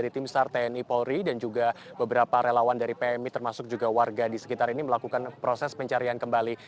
tim sar tni polri dan juga beberapa relawan dari pmi termasuk juga warga di sekitar ini melakukan proses pencarian kembali